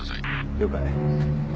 了解。